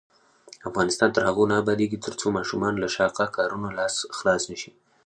افغانستان تر هغو نه ابادیږي، ترڅو ماشومان له شاقه کارونو خلاص نشي.